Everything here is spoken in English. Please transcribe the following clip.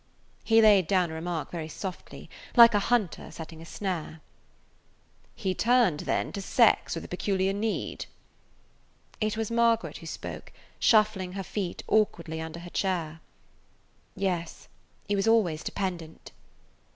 He laid down a remark very softly, like a hunter setting a snare. "He turned, then, to sex with a peculiar need." It was Margaret who spoke, shuffling her feet awkwardly under her chair. [Page 164] "Yes, he was always dependent."